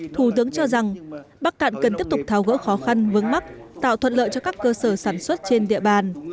thủ tướng cho rằng bắc cạn cần tiếp tục tháo gỡ khó khăn vướng mắt tạo thuận lợi cho các cơ sở sản xuất trên địa bàn